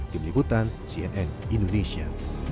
tim liputan cnn indonesia